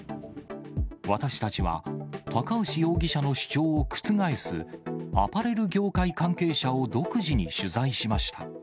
私たちは、高橋容疑者の主張を覆す、アパレル業界関係者を独自に取材しました。